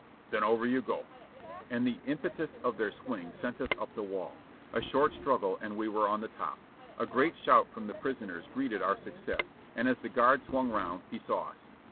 "Then over you go!" and the impetus of their swing sent us up the wall. A short struggle and we were on the top. A great shout from the prisoners greeted our success, and as the guard swung round he saw^ us.